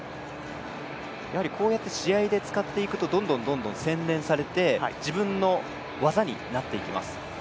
こうやって試合で使っていくとどんどん洗練されて自分の技になっていきます。